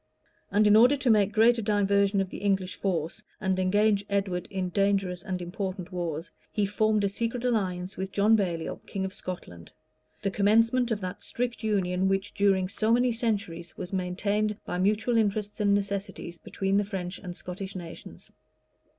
And in order to make a greater diversion of the English force, and engage Edward in dangerous and important wars, he formed a secret alliance with John Baliol, king of Scotland; the commencement of that strict union which, during so many centuries, was maintained, by mutual interests and necessities, between the French and Scottish nations.